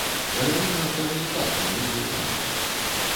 Валярына даволі часта наведвае тэатры.